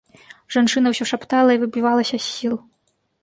Жанчына ўсё шаптала і выбівалася з сіл.